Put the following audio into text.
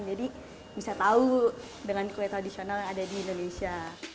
jadi bisa tau dengan kue tradisional yang ada di indonesia